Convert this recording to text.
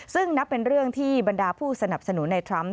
ซึ่งนับเป็นเรื่องที่บรรดาผู้สนับสนุนในทรัมป